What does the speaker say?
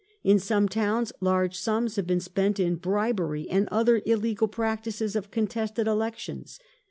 ... In some towns large sums have been spent in bribery and other illegal practices of contested elections.